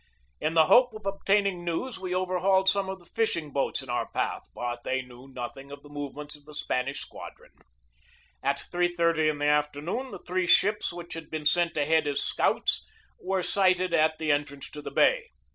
In the hope of obtaining news we overhauled some of the fishing boats in our path, but they knew nothing of the movements of the Spanish squadron. At 3.30 in the afternoon the three ships which had been sent ahead as scouts were sighted at the entrance to the bay.